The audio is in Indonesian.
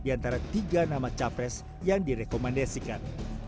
di antara tiga nama capres yang direkomendasikan